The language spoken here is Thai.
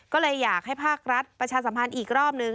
ก็เลยอยากให้ภาครัฐประชาสัมพันธ์อีกรอบนึง